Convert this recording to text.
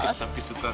bukis tapi suka kan